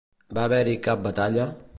Va haver-hi cap batalla?